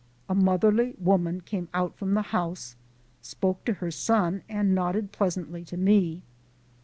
A motherly woman came out from the house, spoke to her son, and nodded pleasantly to me.